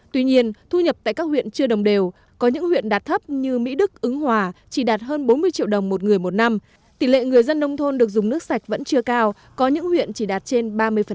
tuy nhiên thu nhập tại các huyện chưa đồng đều có những huyện đạt thấp như mỹ đức ứng hòa chỉ đạt hơn bốn mươi triệu đồng một người một năm tỷ lệ người dân nông thôn được dùng nước sạch vẫn chưa cao có những huyện chỉ đạt trên ba mươi